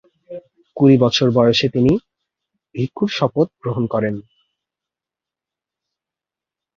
কুড়ি বছর বয়সে তিনি ভিক্ষুর শপথ গ্রহণ করেন।